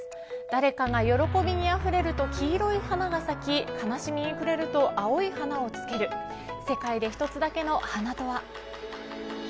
誰かが喜びにあふれると黄色い花が咲き悲しみに触れると青い花をつける世界で一つだけの花とは。